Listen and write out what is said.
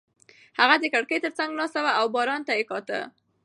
هغه د کړکۍ تر څنګ ناسته وه او باران یې کاته.